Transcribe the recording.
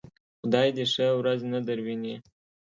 خدای دې ښه ورځ نه درويني.